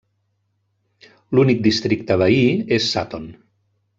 L'únic districte veí és Sutton.